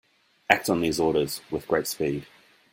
Act on these orders with great speed.